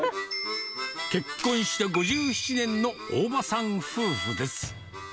結婚して５７年の大場さん夫婦です。